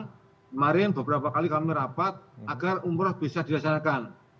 kemarin beberapa kali kami rapat agar umroh bisa dilaksanakan